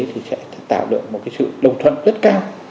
thì sẽ tạo được một cái sự đồng thuận rất cao